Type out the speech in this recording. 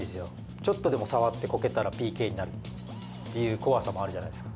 ちょっとでも触ってこけたらＰＫになるっていう怖さもあるじゃないですか。